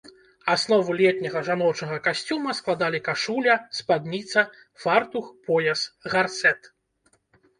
Аснову летняга жаночага касцюма складалі кашуля, спадніца, фартух, пояс, гарсэт.